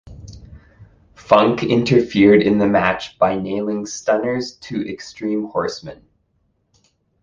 Funk interfered in the match by nailing stunners to Extreme Horsemen.